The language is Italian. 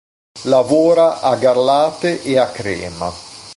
Lavora a Garlate e a Crema.